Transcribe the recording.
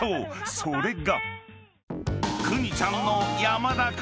［それが］